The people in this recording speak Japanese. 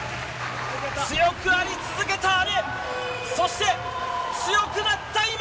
強くあり続けた姉、そして、強くなった妹。